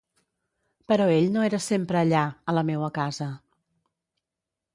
Però ell no era sempre allà, a la meua casa.